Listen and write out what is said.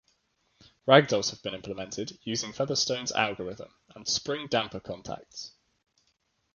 Ragdolls have been implemented using Featherstone's algorithm and spring-damper contacts.